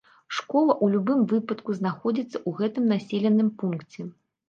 Школа ў любым выпадку знаходзіцца ў гэтым населеным пункце.